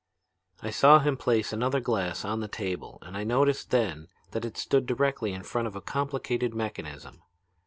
"I saw him place another glass on the table and I noticed then that it stood directly in front of a complicated mechanism.